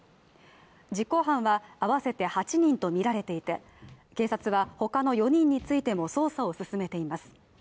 実行犯は合わせて８人とみられていて他の４人についても捜査を進めています。